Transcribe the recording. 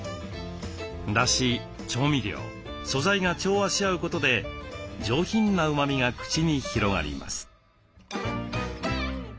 だし調味料素材が調和し合うことで上品なうまみが口に広がります。